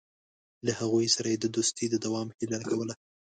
له هغوی سره یې د دوستۍ د دوام هیله کوله.